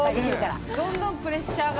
どんどんプレッシャーが。